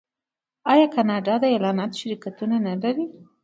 آیا کاناډا د اعلاناتو شرکتونه نلري؟